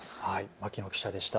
牧野記者でした。